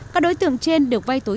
các đối tượng trên được vai tối